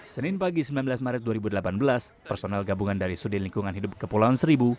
senin pagi sembilan belas maret dua ribu delapan belas personel gabungan dari sudin lingkungan hidup kepulauan seribu